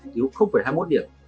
thiếu hai mươi một điểm